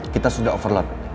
kita sudah overload